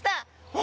お！